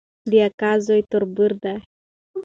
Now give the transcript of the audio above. د اکا زوی تربور دی